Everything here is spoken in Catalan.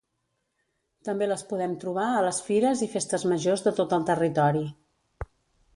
També les podem trobar a les fires i Festes Majors de tot el territori.